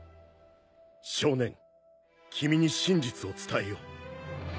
少年君に真実を伝えよう。